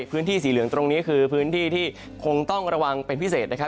พื้นที่สีเหลืองตรงนี้คือพื้นที่ที่คงต้องระวังเป็นพิเศษนะครับ